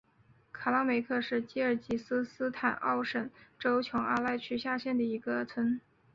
卡拉梅克是吉尔吉斯斯坦奥什州琼阿赖区下辖的一个村。